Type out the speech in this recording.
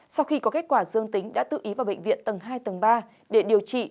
sau khi có kết quả dương tính đã tự ý vào bệnh viện tầng hai tầng ba để điều trị